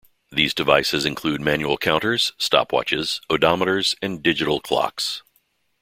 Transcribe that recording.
These devices include manual counters, stopwatches, odometers, and digital clocks.